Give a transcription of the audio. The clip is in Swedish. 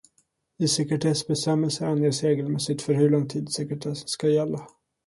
I sekretessbestämmelser anges regelmässigt för hur lång tid sekretessen ska gälla.